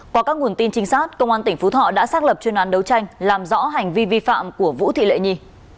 qua các nguồn tin trinh sát công an tỉnh phú thọ đã xác lập chuyên án đấu tranh làm rõ hành vi vi phạm của vũ thị lệ nhi